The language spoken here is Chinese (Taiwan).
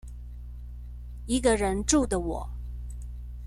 一個人住的我